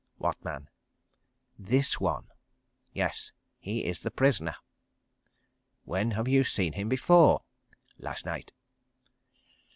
"What man?" "This one." "Yes. He is the prisoner." "When have you seen him before?" "Last night."